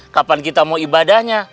kapan kita mau ibadahnya